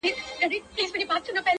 • لکه سلګۍ درته راغلی یم پایل نه یمه -